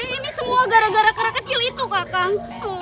ini semua gara gara kecil itu kakang